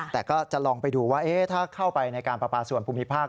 แต่ก็จะลองไปดูว่าถ้าเข้าไปในการประปาส่วนภูมิภาค